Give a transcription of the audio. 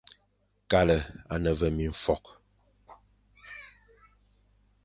Kale à ne ve mimfokh,